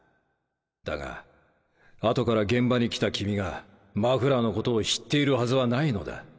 だが後から現場に来た君がマフラーのことを知っているはずはないのだ。